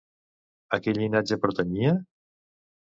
A quin llinatge pertanyia?